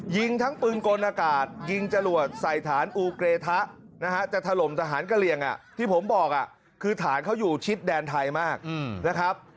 ยิงทั้งปืนกลอากาศยิงจรวดใส่ฐานอูเกรทะนะฮะจะถล่มทหารกะเหลี่ยงที่ผมบอกคือฐานเขาอยู่ชิดแดนไทยมากนะครับ